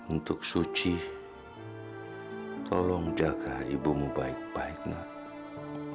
untuk suci tolong jaga ibumu baik baik nak